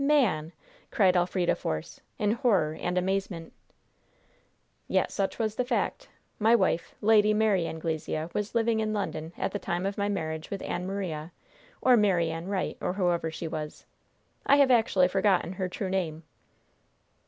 "Man!" cried Elfrida Force, in horror and amazement. "Yet such was the fact. My wife, Lady Mary Anglesea, was living in London at the time of my marriage with Ann Maria, or Mary Ann Wright, or whoever she was. I have actually forgotten her true name."